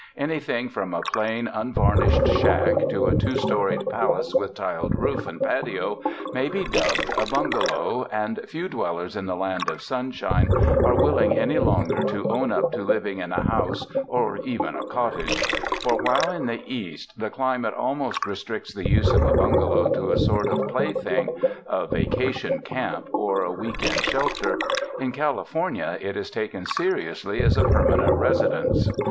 Anything from a plain, unvarnished shack to a two storied palace with tiled roof and patio may be dubbed a bungalow, and few dwellers in the Land of Sunshine are will ing any longer to own up to living in a house or even a cottage; for while in the East, the climate almost restricts the use of a bungalow to a sort of play thing — a vacation camp or a week end shelter — in California it is taken seriously as a permanent resi dence.